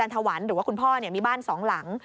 ถวันหรือว่าคุณพ่อมีบ้านสองหลัง